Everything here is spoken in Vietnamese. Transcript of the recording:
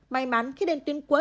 may mắn khi đến tuyến cuối